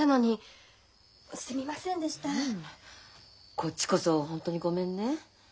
こっちこそホントにごめんね。